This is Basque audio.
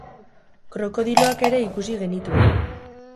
Krokodiloak ere ikusi genituen.